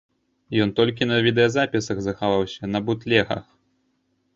Ён толькі на відэазапісах захаваўся, на бутлегах.